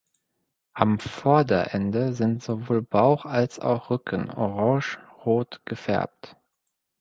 Am Vorderende sind sowohl Bauch als auch Rücken orangerot gefärbt.